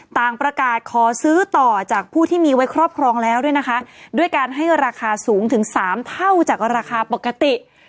ต่างประกาศขอซื้อต่อจากผู้ที่มีไว้ครอบครองแล้วด้วยนะคะด้วยการให้ราคาสูงถึงสามเท่าจากราคาปกติ